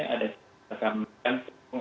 ada sekam berkantung